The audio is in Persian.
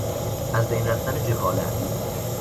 از بین رفتن جهالت